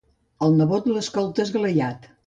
El nebot l'escolta esglaiat.